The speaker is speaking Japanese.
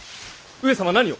上様何を！